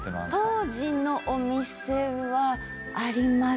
当時のお店はありました。